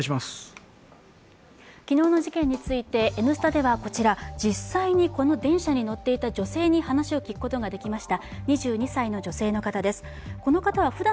昨日の事件について、「Ｎスタ」ではこちら、実際に電車に乗っていた女性に話を聞くことができました。